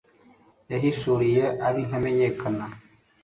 yihishuriye ab'intamenyekana